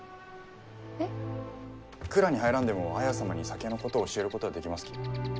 えっ？蔵に入らんでも綾様に酒のことを教えることはできますき。